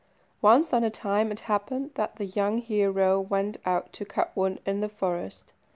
Once on a time it happened that the young hero went out to cut wood in the forest.